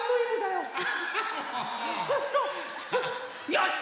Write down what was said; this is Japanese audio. よし！